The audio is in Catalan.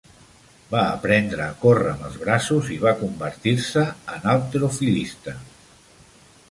Va aprendre a córrer amb els braços i va convertir-se en halterofilista.